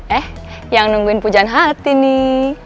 eh yang nungguin pujan hati nih